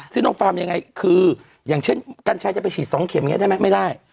โนฟาร์มยังไงคืออย่างเช่นกัญชัยจะไปฉีด๒เข็มอย่างนี้ได้ไหมไม่ได้